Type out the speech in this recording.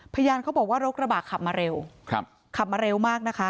พยานเขาบอกว่ารถกระบะขับมาเร็วขับมาเร็วมากนะคะ